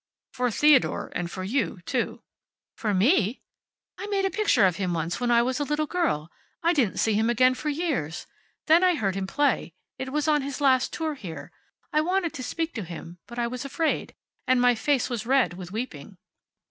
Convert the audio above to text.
"For Theodore, and for you, too." "For me! I made a picture of him once when I was a little girl. I didn't see him again for years. Then I heard him play. It was on his last tour here. I wanted to speak to him. But I was afraid. And my face was red with weeping."